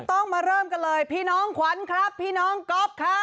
ต้องมาเริ่มกันเลยพี่น้องขวัญครับพี่น้องก๊อฟครับ